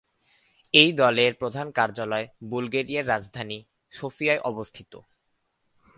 এই দলের প্রধান কার্যালয় বুলগেরিয়ার রাজধানী সফিয়ায় অবস্থিত।